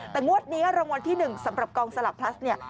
แต่งวดนี้รางวัลที่๑สำหรับกองสลักพลัสเนี่ย